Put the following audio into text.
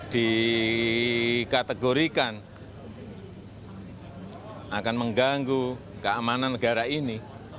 dikategorikan akan mengganggu keamanan negara ini